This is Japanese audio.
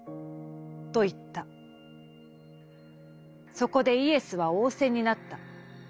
「そこでイエスは仰せになった。